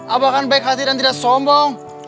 abah kan baik hati dan tidak sombong